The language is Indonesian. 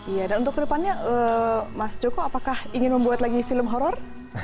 iya dan untuk kedepannya mas joko apakah ingin membuat lagi film horror